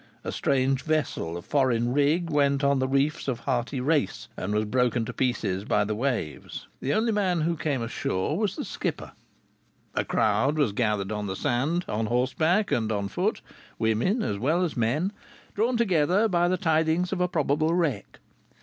A strange vessel of foreign rig went on the reefs of Harty Race, and was broken to pieces by the waves. The only man who came ashore was the skipper. A crowd was gathered on the sand, on horseback and on foot, women as well as men, drawn together by the tidings of a probable wreck.